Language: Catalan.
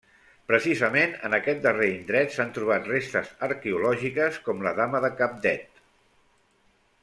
Precisament en aquest darrer indret s'han trobat restes arqueològiques com la Dama de Cabdet.